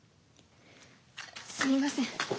すみません。